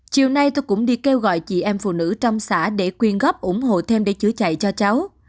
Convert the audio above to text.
chiều nay tôi cũng đi kêu gọi chị em phụ nữ trong xã để quyên góp ủng hộ thêm để chữa chạy cho cháu